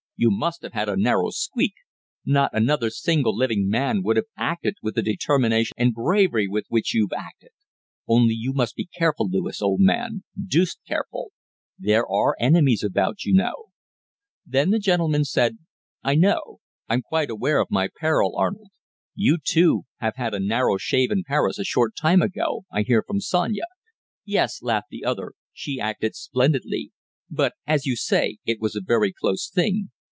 You must have had a narrow squeak! Not another single living man would have acted with the determination and bravery with which you've acted. Only you must be careful, Lewis, old man deuced careful. There are enemies about, you know.' Then the gentleman said: 'I know! I'm quite aware of my peril, Arnold. You, too, had a narrow shave in Paris a short time ago I hear from Sonia.' 'Yes,' laughed the other, 'she acted splendidly. But, as you say, it was a very close thing.